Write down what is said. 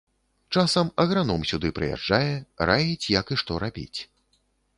Часам аграном сюды прыязджае, раіць, як і што рабіць.